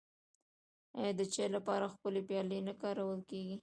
آیا د چای لپاره ښکلې پیالې نه کارول کیږي؟